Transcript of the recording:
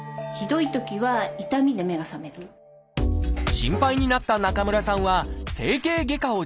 心配になった中村さんは整形外科を受診。